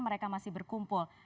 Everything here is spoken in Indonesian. mereka masih berkumpul